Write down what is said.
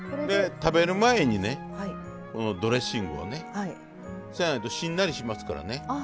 で食べる前にねこのドレッシングをね。そやないとしんなりしますからね。